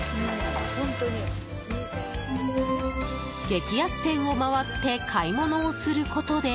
激安店を回って買い物をすることで。